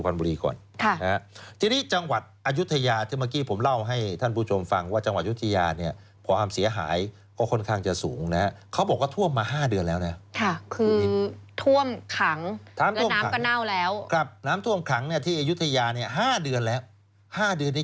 นี่คือจังหวัดสุพรมลี